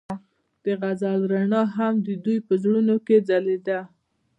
د غزل رڼا هم د دوی په زړونو کې ځلېده.